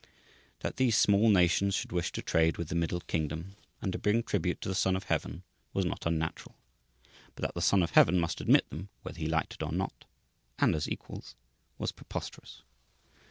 That these small nations should wish to trade with "the Middle Kingdom" and to bring tribute to the "Son of Heaven," was not unnatural. But that the "Son of Heaven" must admit them whether he liked or not, and as equals, was preposterous.